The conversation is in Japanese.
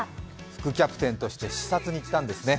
副キャプテンとして視察に行ったんですね。